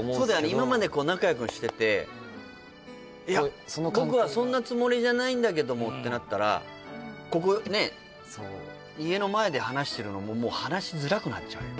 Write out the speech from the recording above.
今まで仲良くしてていや僕はそんなつもりじゃないんだけどもってなったらねっそう家の前で話してるのももう話しづらくなっちゃうよ